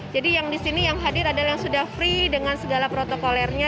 jadi yang di sini yang hadir adalah yang sudah free dengan segala protokolernya